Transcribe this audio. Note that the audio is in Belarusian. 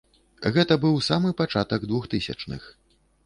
Гэта быў самы пачатак двухтысячных.